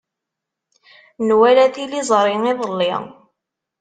Nwala tiliẓri iḍelli.